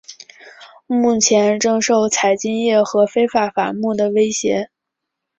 目前正受采金业和非法伐木的威胁。